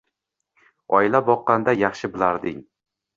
Oila boqqanda yaxshi bilarding.